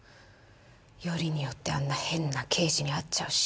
よりによってあんな変な刑事に会っちゃうし。